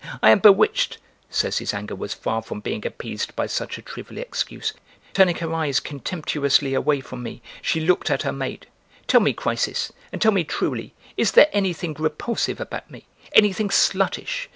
I am bewitched!" (Circe's anger was far from being appeased by such a trivial excuse; turning her eyes contemptuously away from me, she looked at her maid,) "Tell me, Chrysis, and tell me truly, is there anything repulsive about me? Anything sluttish?